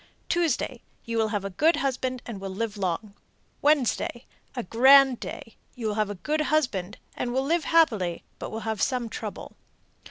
Tuesday you will have a good husband and will live long. Wednesday a grand day; you will have a good husband, and will live happily, but will have some trouble.